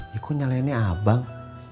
ya kok nyalainnya abang